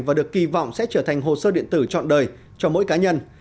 và được kỳ vọng sẽ trở thành hồ sơ điện tử trọn đời cho mỗi cá nhân